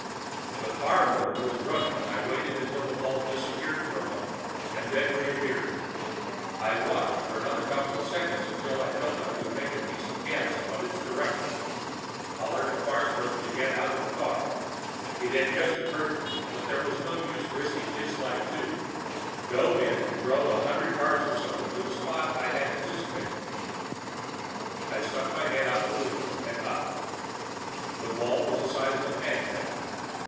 The car motor was running and I waited until the ball disappeared for a moment and then reappeared. I watched for another couple of seconds until I felt I could make a decent guess on its direction, hollered at Farnsworth to get out of the car it had just occurred to me that there was no use risking his life, too dove in and drove a hundred yards or so to the spot I had anticipated. I stuck my head out the window and up. The ball was the size of an egg now.